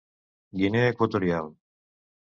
Guinea Equatorial.